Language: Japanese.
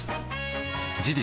事実